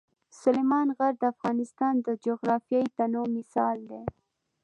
سلیمان غر د افغانستان د جغرافیوي تنوع مثال دی.